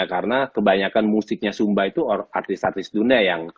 karena kebanyakan musiknya sumba itu artis artis dunia